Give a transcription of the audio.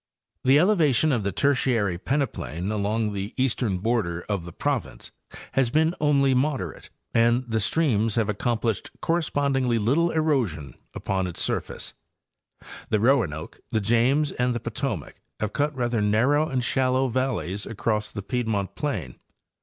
The elevation of the Tertiary peneplain along the eastern border of the province has been only moderate, and the streams have accomplished correspondingly little erosion upon its sur face. The Roanoke, the James and the Potomac have cut rather narrow and shallow valleys across the piedmont plain.